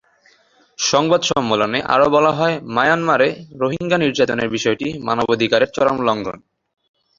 সংবাদ সম্মেলনে আরও বলা হয়, মিয়ানমারে রোহিঙ্গা নির্যাতনের বিষয়টি মানবাধিকারের চরম লঙ্ঘন।